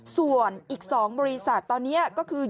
ส่วนอีก๒บริษัทตอนนี้ก็คือ